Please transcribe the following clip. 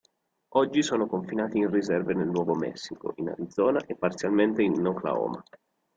Oggi sono confinati in riserve nel Nuovo Messico, in Arizona e parzialmente in Oklahoma.